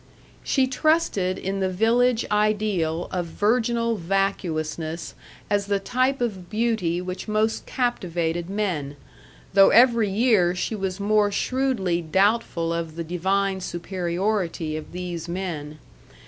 She trusted in the village ideal of virginal vacuousness as the type of beauty which most captivated men, though every year she was more shrewdly doubtful of the divine superiority of these men.